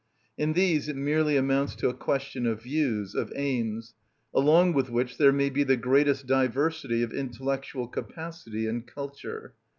In these it merely amounts to a question of views, of aims; along with which there may be the greatest diversity of intellectual capacity and culture.